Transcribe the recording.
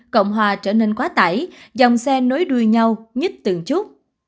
cộng hòa trở nên quá tải dòng xe nối đuôi nhau nhít tượng chút